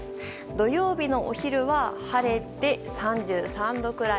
土曜のお昼は晴れて３３度くらい。